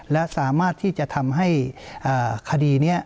และสามารถที่จะทำให้คดีนี้